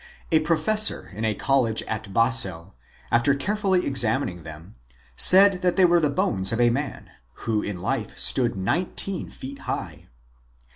A professor in a college at Basel, after carefully examining them, said that they were the bones of a man, who in life stood nineteen feet high.